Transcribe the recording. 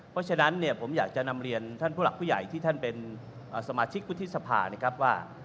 เพราะฉะนั้นเนี่ยผมอยากจะนำเรียนท่านผู้หลักผู้ใหญ่ที่ท่านเป็นสมาชิกวุฒิสภานะครับว่า